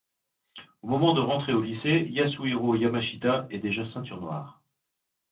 Au moment de rentrer au lycée, Yasuhiro Yamashita est déjà ceinture noire.